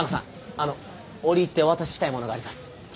あの折り入ってお渡ししたいものがあります。